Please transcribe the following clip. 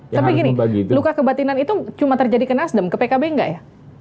tapi gini luka kebatinan itu cuma terjadi ke nasdem ke pkb nggak ya